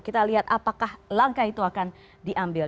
kita lihat apakah langkah itu akan diambil